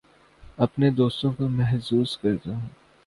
اپنے دوستوں کو محظوظ کرتا ہوں